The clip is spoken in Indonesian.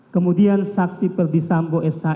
kemudian saksi perdisambo s i k m h